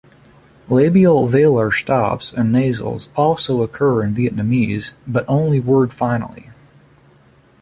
Labial-velar stops and nasals also occur in Vietnamese but only word-finally.